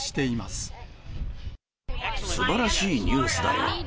すばらしいニュースだよ。